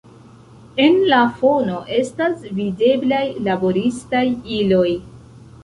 En la fono estas videblaj laboristaj iloj.